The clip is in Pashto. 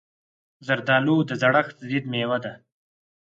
زردالو د زړښت ضد مېوه ده.